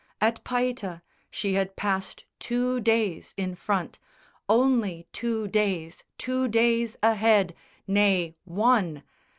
At Paita she had passed two days in front, Only two days, two days ahead; nay, one!